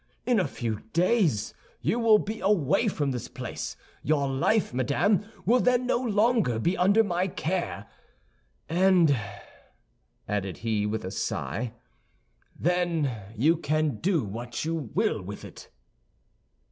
In a few days you will be away from this place; your life, madame, will then no longer be under my care, and," added he, with a sigh, "then you can do what you will with it."